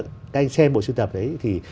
các anh xem bộ siêu tập ấy thì